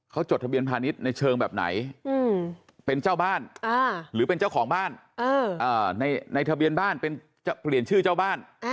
เขาจดทะเบียนพาณิชย์ในเชิงแบบไหนเป็นเจ้าบ้านหรือเป็นเจ้าของบ้านในทะเบียนบ้านจะเปลี่ยนชื่อเจ้าบ้าน